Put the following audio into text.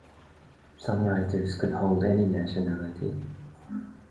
Songwriters could hold any nationality.